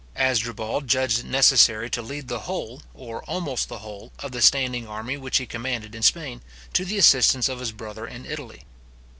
Asdrubal judged it necessary to lead the whole, or almost the whole, of the standing army which he commanded in Spain, to the assistance of his brother in Italy.